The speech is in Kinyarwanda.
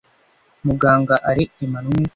Muganga Alain Emmanuel